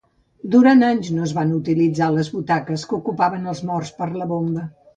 Durant anys no es van utilitzar les butaques que ocupaven els morts per la bomba.